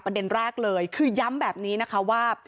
ประเด็นแรกเลยคือย้ำแบบนี้นะคะว่า